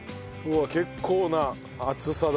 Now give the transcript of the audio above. うわあ結構な厚さだ。